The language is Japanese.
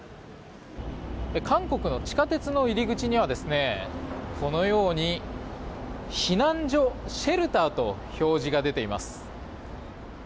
韓国の地下鉄の入り口には避難所、シェルターと表示が出ています。